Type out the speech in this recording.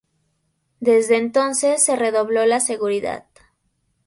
Desde entonces se redobló la seguridad.